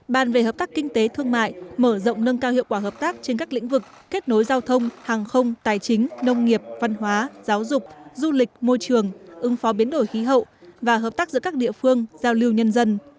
bàn về hợp tác kinh tế thương mại mở rộng nâng cao hiệu quả hợp tác trên các lĩnh vực kết nối giao thông hàng không tài chính nông nghiệp văn hóa giáo dục du lịch môi trường ứng phó biến đổi khí hậu và hợp tác giữa các địa phương giao lưu nhân dân